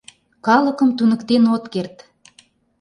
Калыкым туныктен от керт...